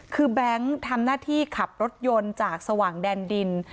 คือแบงค์ทำหน้าที่ขับรถยนต์จากสว่างแดนดิน